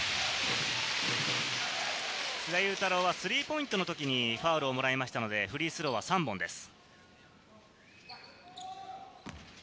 須田侑太郎はスリーポイントのときにファウルをもらいましたので、フリースローは３本です。